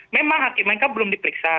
memang hakim mereka belum diperiksa